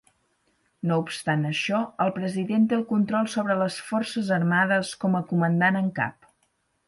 No obstant això, el president té el control sobre les forces armades com a comandant en cap.